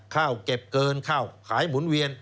เก็บเกินข้าวขายหมุนเวียน